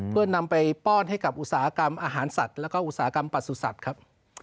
เพื่อนำไปป้อนให้กับอุตสาหกรรมอาหารสัตว์แล้วก็อุตสาหกรรมประสุทธิ์สัตว์ครับ